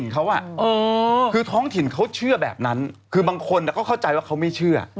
ก็แบบนั้นคือบางคนก็เข้าใจว่าเขาไม่เชื่อ